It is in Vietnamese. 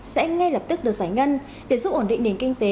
sẽ ngay lập tức được giải ngân để giúp ổn định nền kinh tế